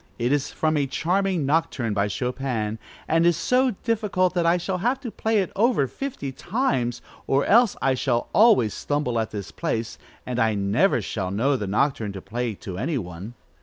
It is from a charming Nocturne, by Chopin, and is so difficult that I shall have to play it over fifty times, or else I shall always stumble at this place, and I never shall know the Nocturne to play to any one.